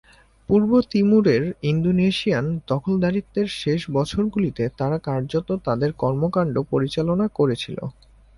পূর্ব তিমুরের ইন্দোনেশিয়ান দখলদারিত্বের শেষ বছরগুলিতে তারা কার্যত তাদের কর্মকাণ্ড পরিচালনা করেছিল।